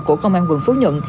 của công an quận phú nhuận